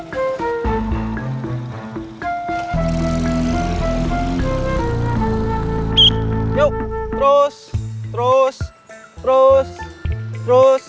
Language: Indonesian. terima kasih pak